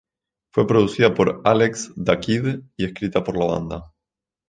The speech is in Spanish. Fue producida por Alex da Kid y escrita por la banda.